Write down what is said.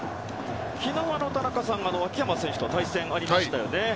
昨日は田中さん秋山選手と対戦がありました。